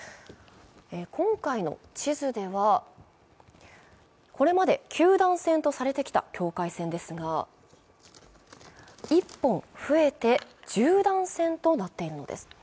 今回の地図では、これまで九段線とされてきた境界線ですが１本増えて、十段線となっているんです。